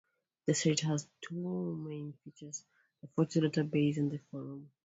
The site has two main features: the photo database and the forum.